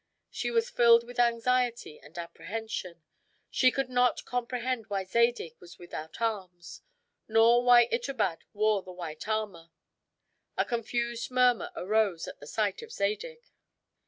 She was filled with anxiety and apprehension. She could not comprehend why Zadig was without arms, nor why Itobad wore the white armor. A confused murmur arose at the sight of Zadig.